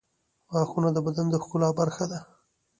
غاښونه د بدن د ښکلا برخه ده.